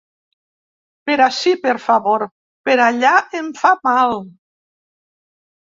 Per ací, per favor. Per allà em fa mal.